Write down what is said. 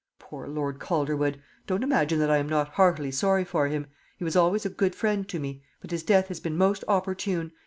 Poor Lord Calderwood! Don't imagine that I am not heartily sorry for him; he was always a good friend to me; but his death has been most opportune.